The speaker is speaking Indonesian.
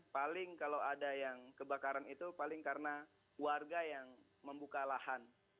paling kalau ada yang kebakaran itu paling karena warga yang membuka lahan